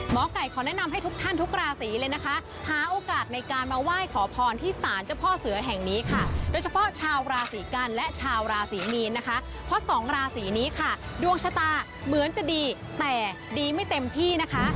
ไก่ขอแนะนำให้ทุกท่านทุกราศีเลยนะคะหาโอกาสในการมาไหว้ขอพรที่สารเจ้าพ่อเสือแห่งนี้ค่ะโดยเฉพาะชาวราศีกันและชาวราศรีมีนนะคะเพราะสองราศีนี้ค่ะดวงชะตาเหมือนจะดีแต่ดีไม่เต็มที่นะคะ